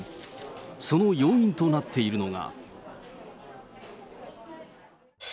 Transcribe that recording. その要因となっているのが。